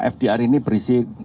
fdr ini berisi